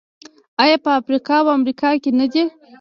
آیا په افریقا او امریکا کې نه دي؟